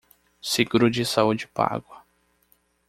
Seguro de saúde pago